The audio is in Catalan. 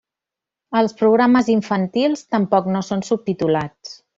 Els programes infantils tampoc no són subtitulats.